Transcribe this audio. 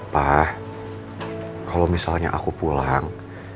pak kalau misalnya aku pulang